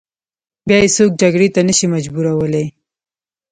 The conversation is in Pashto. بیا یې څوک جګړې ته نه شي مجبورولای.